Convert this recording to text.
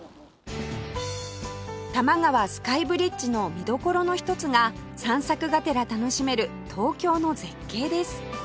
多摩川スカイブリッジの見どころの一つが散策がてら楽しめる東京の絶景です